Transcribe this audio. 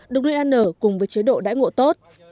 được nuôi ăn ở cùng với chế độ đãi ngộ tốt